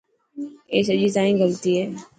اي سڄي تائن غلطي هي.